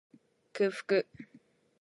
空腹